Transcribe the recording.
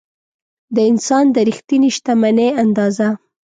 د انسان د رښتینې شتمنۍ اندازه.